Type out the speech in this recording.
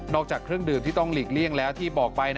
จากเครื่องดื่มที่ต้องหลีกเลี่ยงแล้วที่บอกไป